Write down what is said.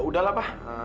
udah lah pa